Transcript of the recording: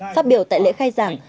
phát biểu tại lễ khai giảng